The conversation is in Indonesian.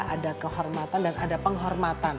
ada kehormatan dan ada penghormatan